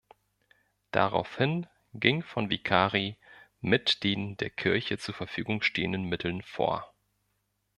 Daraufhin ging von Vicari mit den der Kirche zur Verfügung stehenden Mitteln vor.